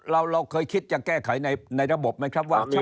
แล้วเราเคยคิดจะแก้ไขในระบบไหมครับ